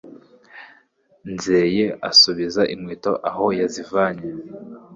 Nzeyi asubiza inkweto aho yazivanye.